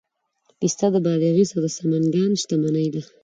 پسته د بادغیس او سمنګان شتمني ده.